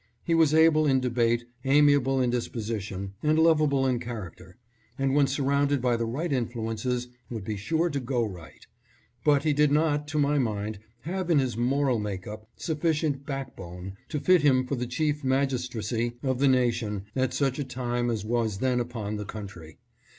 He was able in debate, amiable in disposi tion, and lovable in character, and when surrounded by the right influences would be sure to go right ; but 634 GARFIELD NOT A STALWART. he did not, to my mind, have in his moral make up suf ficient " backbone " to fit him for the chief magistracy of the nation at such a time as was then upon the country.